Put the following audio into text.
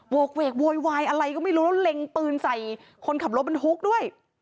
กเวกโวยวายอะไรก็ไม่รู้แล้วเล็งปืนใส่คนขับรถบรรทุกด้วย